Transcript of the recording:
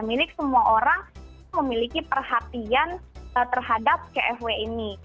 milik semua orang memiliki perhatian terhadap cfw ini